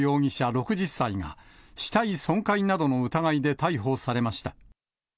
６０歳が、死体損壊などの疑いで逮捕されました。